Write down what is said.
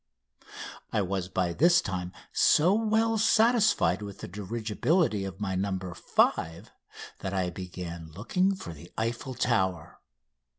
I was by this time so well satisfied with the dirigibility of my "No. 5" that I began looking for the Eiffel Tower.